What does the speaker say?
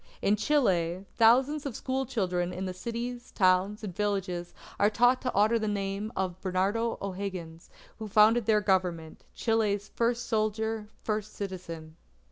In Chile, thousands of school children in the cities, towns, and villages are taught to honour the name of Bernardo O'Higgins, who founded their Government, Chile's "first Soldier, first Citizen."